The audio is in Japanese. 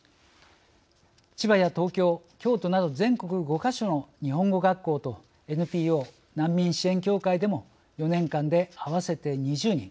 千葉や東京、京都など全国５か所の日本語学校とＮＰＯ、難民支援協会でも４年間で合わせて２０人